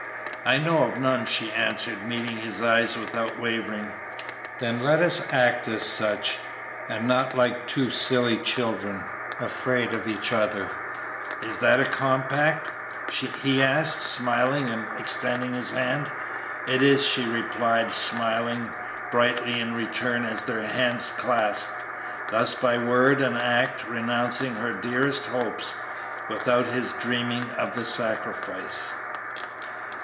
"I know of none," she answered, meeting his eyes without wavering. "Then let us act as such, and not like two silly children, afraid of each other. Is that a compact?" he asked, smiling and extending his hand. "It is," she replied, smiling brightly in return as their hands clasped, thus by word and act renouncing her dearest hopes without his dreaming of the sacrifice.